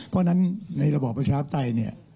เพราะฉะนั้นในระบอบประชาธิปไตยเนี่ย